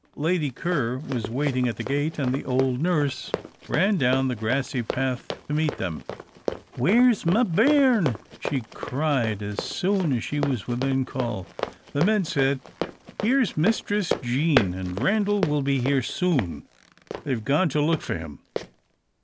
Lady Ker was waiting at the gate, and the old nurse ran down the grassy path to meet them. "Where's my bairn?" she cried as soon as she was within call. The men said, "Here 's Mistress Jean, and Randal will be here soon; they have gone to look for him."